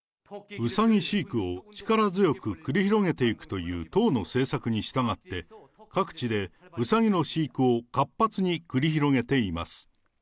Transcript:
うさぎ飼育を力強く繰り広げていくという党の政策に従って、各地でうさぎの飼育を活発に繰り広げています。